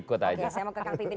oke saya mau ke kang pimpin